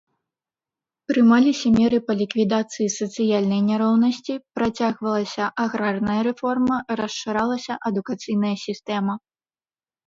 Прымаліся меры па ліквідацыі сацыяльнай няроўнасці, працягвалася аграрная рэформа, расшыралася адукацыйная сістэма.